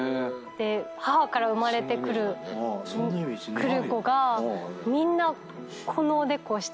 母から生まれてくる子がみんなこのおでこをしてる。